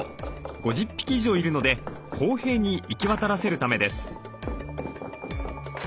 ５０匹以上いるので公平に行き渡らせるためです。